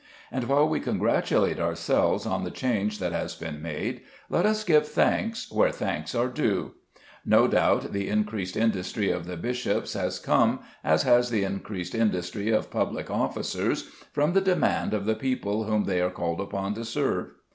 And while we congratulate ourselves on the change that has been made, let us give thanks where thanks are due. No doubt the increased industry of the bishops has come, as has the increased industry of public officers, from the demand of the people whom they are called upon to serve.